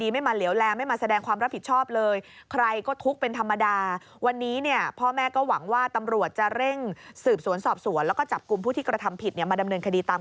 แม้ว่าแจ้ต้องเห็น